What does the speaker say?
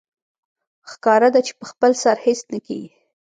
ښکاره ده چې په خپل سر هېڅ نه کېږي